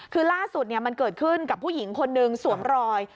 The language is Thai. คือล่าสุดมันเกิดขึ้นกับผู้หญิงคนนึงสวมรอย